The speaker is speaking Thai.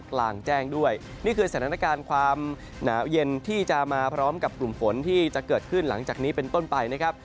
กลางแจ้งด้วยนี่คือสถานการณ์ความหนาวเย็นที่จะมาพร้อมกับกลุ่มฝนที่จะเกิดขึ้นหลังจากนี้เป็นต้นไปนะครับ